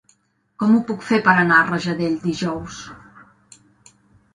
Com ho puc fer per anar a Rajadell dijous?